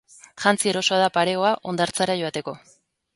Jantzi erosoa da pareoa hondartzara joateko.